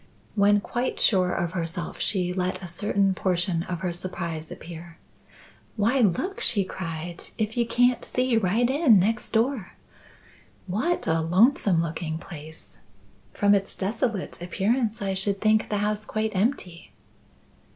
When quite sure of herself, she let a certain portion of her surprise appear. "Why, look!" she cried, "if you can't see right in next door! What a lonesome looking place! From its desolate appearance I should think the house quite empty."